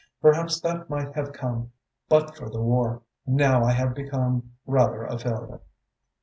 Perhaps that might have come but for the war. Now I have become rather a failure."